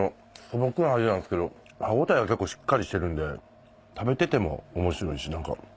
素朴な味なんですけど歯応えが結構しっかりしてるんで食べてても面白いし何か。